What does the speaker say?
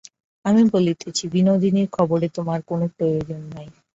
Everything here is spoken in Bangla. আমি বলিতেছি, বিনোদিনীর খবরে তোমার কোনো প্রয়োজন নাই।